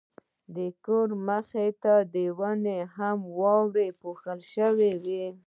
د کور مخې ته ونې هم په واورو پوښل شوې وې.